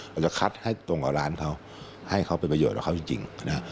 เราจะคัดให้ตรงกับร้านเขาให้เขาเป็นประโยชนกับเขาจริงนะฮะ